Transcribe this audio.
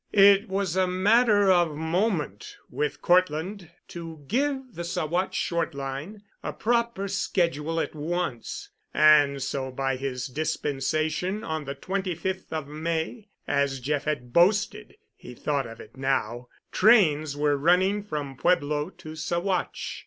It was a matter of moment with Cortland to give the Saguache Short Line a proper schedule at once, and so by his dispensation on the twenty fifth of May, as Jeff had boasted (he thought of it now), trains were running from Pueblo to Saguache.